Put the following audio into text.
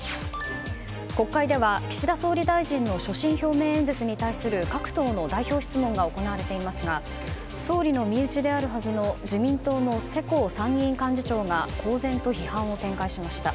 国会では、岸田総理大臣の所信表明演説に対する各党の代表質問が行われていますが総理の身内であるはずの自民党の世耕参議院幹事長が公然を批判を展開しました。